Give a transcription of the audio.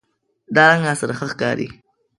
دا رنګ راسره ښه ښکاری